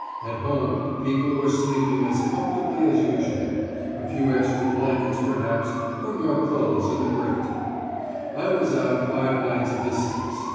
At home people were sleeping as comfortably as usual; a few extra blankets, perhaps, or more coals in the grate! I was out five nights of the six.